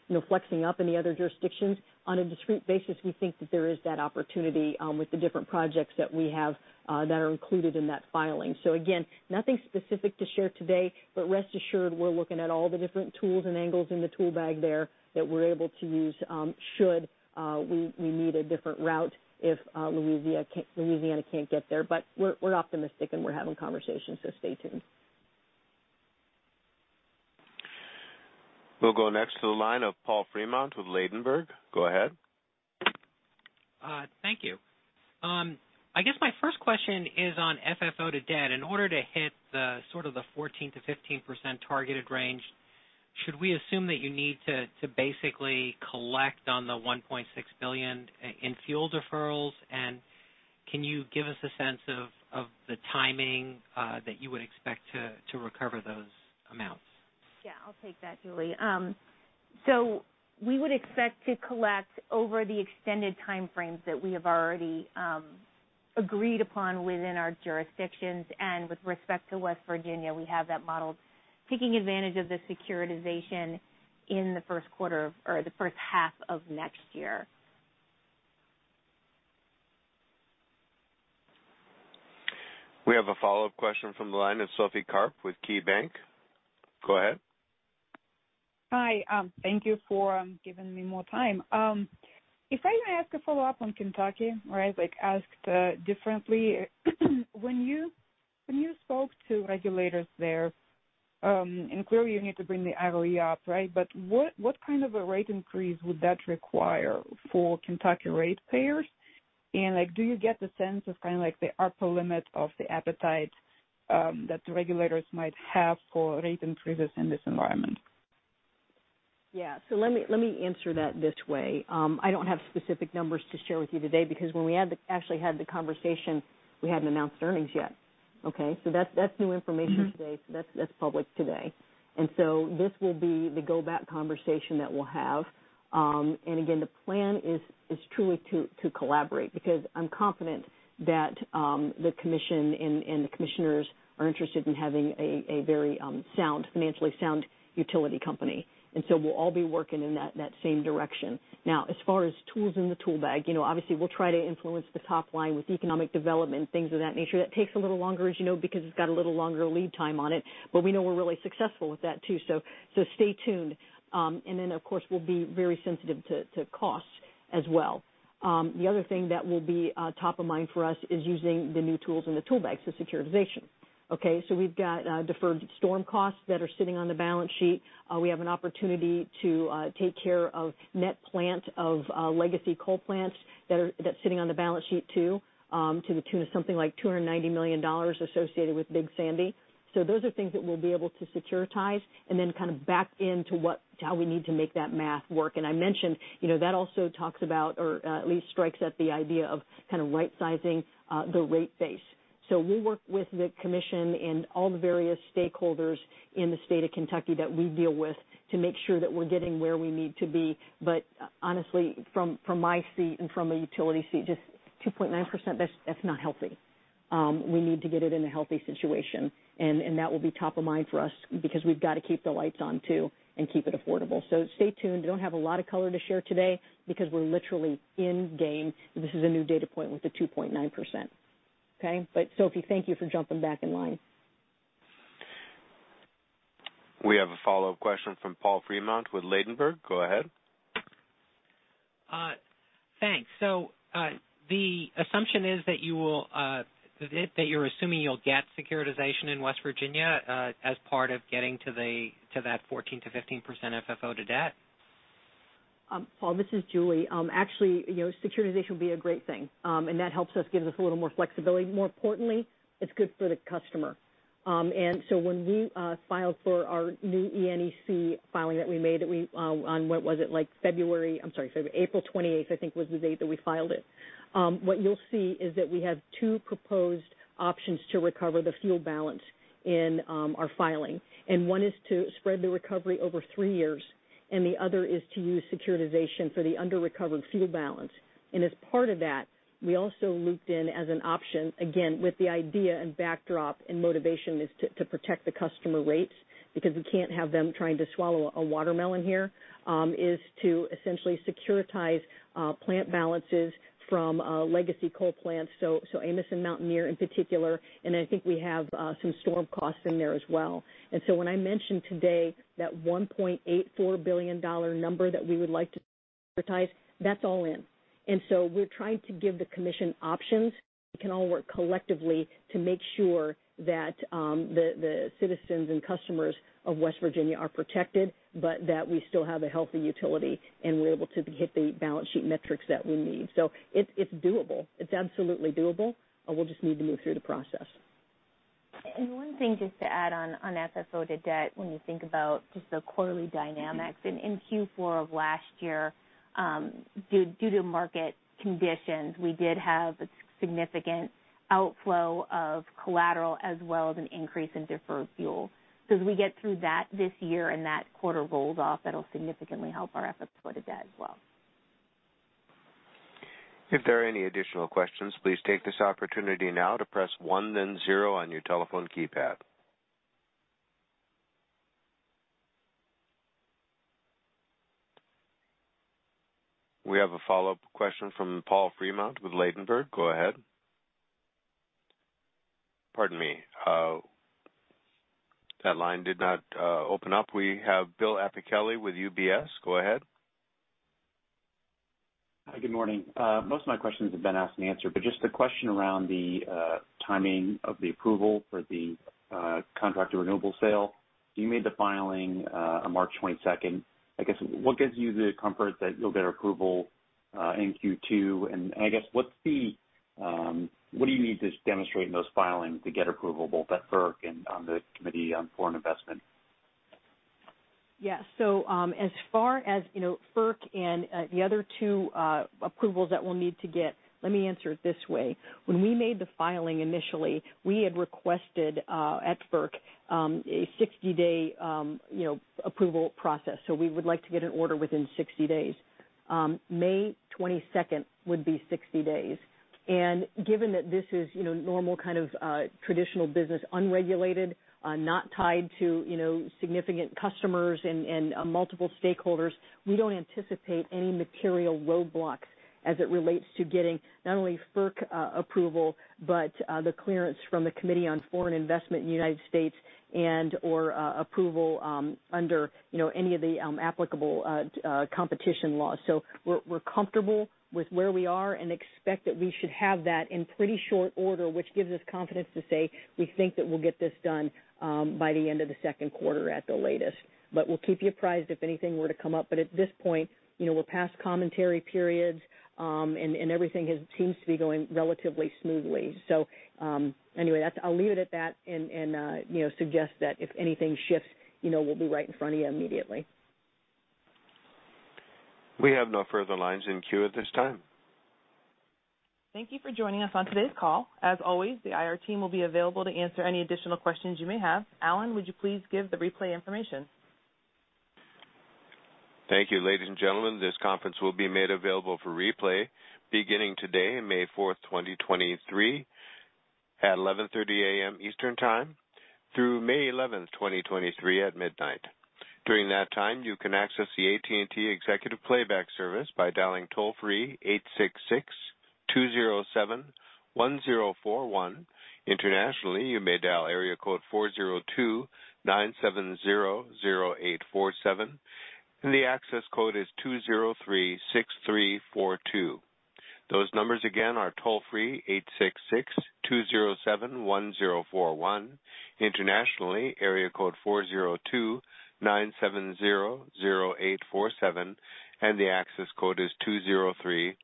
you know, flexing up any other jurisdictions? On a discrete basis, we think that there is that opportunity with the different projects that we have that are included in that filing. Again, nothing specific to share today, but rest assured, we're looking at all the different tools and angles in the tool bag there that we're able to use, should we need a different route if Louisiana can't get there. We're optimistic, and we're having conversations, so stay tuned. We'll go next to the line of Paul Fremont with Ladenburg. Go ahead. Thank you. I guess my first question is on FFO to debt. In order to hit the sort of the 14%-15% targeted range, should we assume that you need to basically collect on the $1.6 billion in fuel deferrals? Can you give us a sense of the timing that you would expect to recover those amounts? Yeah, I'll take that, Julie. We would expect to collect over the extended time frames that we have already, agreed upon within our jurisdictions. With respect to West Virginia, we have that modeled taking advantage of the securitization in the first quarter or the first half of next year. We have a follow-up question from the line of Sophie Karp with KeyBanc. Go ahead. Hi, thank you for giving me more time. If I may ask a follow-up on Kentucky, right? Like, asked differently. When you spoke to regulators there, clearly you need to bring the ROE up, right? What kind of a rate increase would that require for Kentucky ratepayers? Like, do you get the sense of kind of like the upper limit of the appetite, that the regulators might have for rate increases in this environment? Yeah. Let me answer that this way. I don't have specific numbers to share with you today because when we had actually had the conversation, we hadn't announced earnings yet. Okay? That's new information today. That's public today. This will be the go back conversation that we'll have. Again, the plan is truly to collaborate, because I'm confident that the commission and the commissioners are interested in having a very sound, financially sound utility company. We'll all be working in that same direction. Now, as far as tools in the tool bag, you know, obviously, we'll try to influence the top line with economic development, things of that nature. That takes a little longer, as you know, because it's got a little longer lead time on it. We know we're really successful with that, too. Stay tuned. Of course, we'll be very sensitive to costs as well. The other thing that will be top of mind for us is using the new tools in the tool bag, so securitization. Okay? We've got deferred storm costs that are sitting on the balance sheet. We have an opportunity to take care of net plant of legacy coal plants that's sitting on the balance sheet, too, to the tune of something like $290 million associated with Big Sandy. Those are things that we'll be able to securitize and then kind of back into how we need to make that math work. I mentioned, you know, that also talks about or, at least strikes at the idea of kind of right-sizing the rate base. We work with the commission and all the various stakeholders in the state of Kentucky that we deal with to make sure that we're getting where we need to be. Honestly, from my seat and from a utility seat, just 2.9%, that's not healthy. We need to get it in a healthy situation, and that will be top of mind for us because we've got to keep the lights on, too, and keep it affordable. Stay tuned. Don't have a lot of color to share today because we're literally in game. This is a new data point with the 2.9%. Okay? Sophie, thank you for jumping back in line. We have a follow-up question from Paul Fremont with Ladenburg. Go ahead. Thanks. The assumption is that you will, that you're assuming you'll get securitization in West Virginia, as part of getting to the, to that 14% to 15% FFO to debt? Paul, this is Julie. Actually, you know, securitization would be a great thing. That helps us, gives us a little more flexibility. More importantly, it's good for the customer. When we filed for our new ENEC filing that we made that we on, what was it? Like February. I'm sorry, February. April 28th, I think, was the date that we filed it. What you'll see is that we have two proposed options to recover the fuel balance in our filing, one is to spread the recovery over three years, the other is to use securitization for the under-recovered fuel balance. As part of that, we also looped in as an option, again, with the idea and backdrop and motivation is to protect the customer rates, because we can't have them trying to swallow a watermelon here, is to essentially securitize plant balances from legacy coal plants, so Amos Mountaineer in particular. I think we have some storm costs in there as well. When I mentioned today that $1.84 billion number that we would like to securitize, that's all in. We're trying to give the commission options. We can all work collectively to make sure that the citizens and customers of West Virginia are protected, but that we still have a healthy utility, and we're able to hit the balance sheet metrics that we need. It's, it's doable. It's absolutely doable. We'll just need to move through the process. One thing just to add on FFO to debt, when you think about just the quarterly dynamics. In Q4 of last year, due to market conditions, we did have a significant outflow of collateral as well as an increase in deferred fuel. As we get through that this year and that quarter rolls off, that'll significantly help our FFO to debt as well. If there are any additional questions, please take this opportunity now to press one then zero on your telephone keypad. We have a follow-up question from Paul Fremont with Ladenburg. Go ahead. Pardon me, that line did not open up. We have Bill Appicelli with UBS. Go ahead. Hi, good morning. Most of my questions have been asked and answered, but just a question around the timing of the approval for the contract to renewable sale. You made the filing on March 22nd. I guess, what gives you the comfort that you'll get approval in Q2? I guess, what's the, what do you need to demonstrate in those filings to get approval both at FERC and on the Committee on Foreign Investment? Yeah. As far as, you know, FERC and the other two approvals that we'll need to get, let me answer it this way. When we made the filing initially, we had requested at FERC a 60-day, you know, approval process. We would like to get an order within 60 days. May 22nd would be 60 days. Given that this is, you know, normal kind of traditional business, unregulated, not tied to, you know, significant customers and multiple stakeholders, we don't anticipate any material roadblocks as it relates to getting not only FERC approval, but the clearance from the Committee on Foreign Investment in the United States and, or, approval under, you know, any of the applicable competition laws. We're comfortable with where we are and expect that we should have that in pretty short order, which gives us confidence to say we think that we'll get this done by the end of the second quarter at the latest. But we'll keep you apprised if anything were to come up, but at this point, you know, we're past commentary periods, and everything seems to be going relatively smoothly. Anyway, that's I'll leave it at that and, you know, suggest that if anything shifts, you know, we'll be right in front of you immediately. We have no further lines in queue at this time. Thank you for joining us on today's call. As always, the IR team will be available to answer any additional questions you may have. Alan, would you please give the replay information? Thank you, ladies and gentlemen. This conference will be made available for replay beginning today, May 4, 2023 at 11:30 A.M. Eastern Time through May 11th, 2023 at midnight. During that time, you can access the AT&T Executive Playback service by dialing toll-free 866-207-1041. Internationally, you may dial area code 402-970-0847, and the access code is 2036342. Those numbers again are toll-free 866-207-1041. Internationally, area code 402-970-0847, and the access code is 2036342.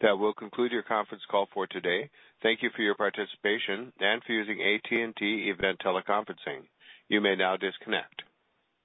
That will conclude your conference call for today. Thank you for your participation and for using AT&T Event Teleconferencing. You may now disconnect.